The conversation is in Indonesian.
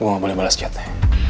gue gak boleh bales kiatnya